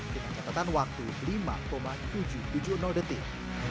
dengan catatan waktu lima tujuh ratus tujuh puluh detik